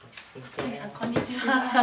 こんにちは。